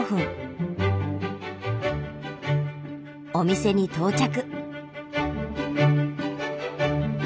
お店に到着。